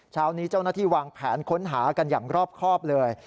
เช้านี้เจ้าหน้าที่วางแผนค้นหากันอย่างรอบครอบเลย